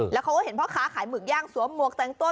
แล้วเขาก็เห็นพ่อค้าขายหมึกย่างสวมหมวกแต่งตัว